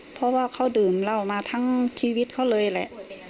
เพราะว่าเขาดื่มเหล้ามาทั้งชีวิตเขาเลยแหละ